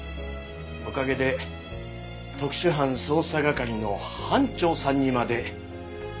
おかげで特殊犯捜査係の班長さんにまでなれたそうな。